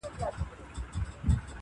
غواړي پاچا د نوي نوي هنرونو کیسې,